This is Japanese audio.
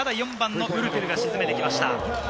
４番のウルテルが決めてきました。